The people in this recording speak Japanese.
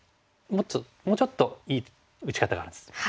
もうちょっといい打ち方があるんです。